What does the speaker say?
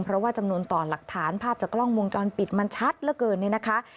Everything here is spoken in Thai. เพราะว่าจำนวนต่อหลักฐานภาพจากกล้องวงจรปิดมันชัดเหลือเกินเนี่ยนะคะ